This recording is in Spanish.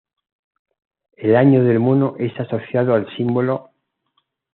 El año del mono es asociado al símbolo "申".